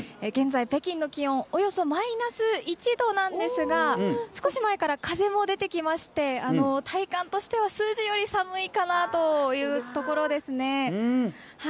現在、北京の気温およそマイナス１度なんですが少し前から風も出てきまして体感としては数字より寒いかなというところですね。